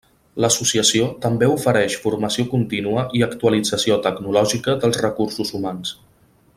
L'associació també ofereix formació contínua i actualització tecnològica dels recursos humans.